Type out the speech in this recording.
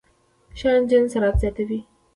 ښه انجن سرعت زیاتوي.